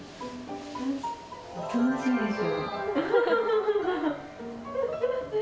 おとなしいでしょ。